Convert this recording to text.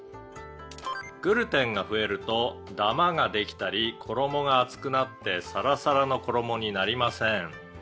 「グルテンが増えるとダマができたり衣が厚くなってサラサラの衣になりません」